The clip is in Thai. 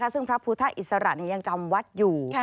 ซึ่งพระพุทธอิสระยังจำวัดอยู่